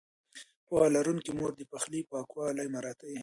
پوهه لرونکې مور د پخلي پاکوالی مراعتوي.